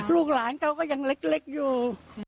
ลูกหลานเขาก็ยังเล็กอยู่